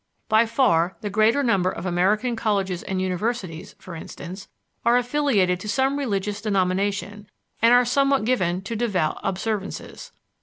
By far the greater number of American colleges and universities, for instance, are affiliated to some religious denomination and are somewhat given to devout observances.